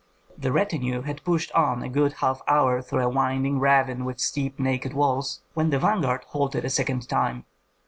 The retinue had pushed on a good half hour through a winding ravine with steep naked walls, when the vanguard halted a second time.